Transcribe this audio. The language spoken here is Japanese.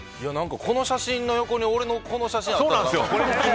この写真の横に俺の写真あったんですよ。